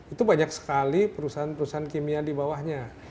itu banyak sekali perusahaan perusahaan kimia di bawahnya